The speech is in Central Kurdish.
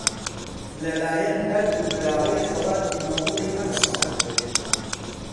لەلایەن هەردوو براوەی خەڵاتی نۆبڵی ئەمساڵ